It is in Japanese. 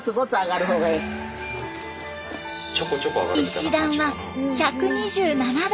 石段は１２７段。